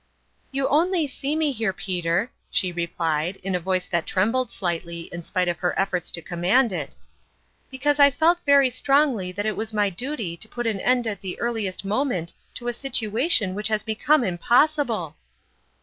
" You only see me here, Peter," she replied, in a voice that trembled slightly, in spite of her efforts to command it, " because I felt very strongly that it was my duty to put an end at the earliest moment to a situation which has become impossible